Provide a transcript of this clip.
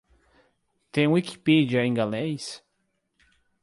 Tem Wikipedia em galês?